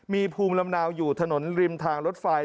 มีภูมิลำเนาอยู่ถนนริมทางรถไฟ